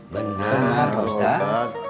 benar pak ustadz